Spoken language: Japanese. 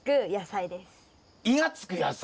「イ」がつく野菜？